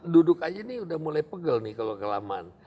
duduk aja ini udah mulai pegel nih kalau kelamaan